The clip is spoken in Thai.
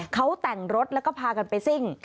เขาแต่งรถแล้วก็พากันไปซิ่ง